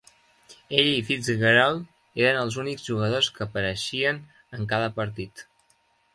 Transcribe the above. Ell i Fitzgerald eren els únics jugadors que apareixien en cada partit.